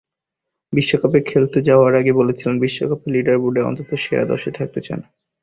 বিশ্বকাপে খেলতে যাওয়ার আগে বলেছিলেন, বিশ্বকাপের লিডারবোর্ডে অন্তত সেরা দশে থাকতে চান।